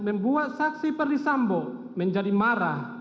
membuat saksi perdisambo menjadi marah